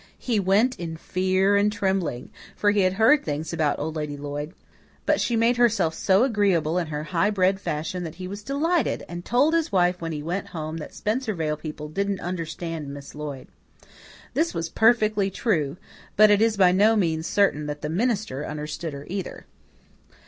He went in fear and trembling, for he had heard things about Old Lady Lloyd; but she made herself so agreeable in her high bred fashion that he was delighted, and told his wife when he went home that Spencervale people didn't understand Miss Lloyd. This was perfectly true; but it is by no means certain that the minister understood her either.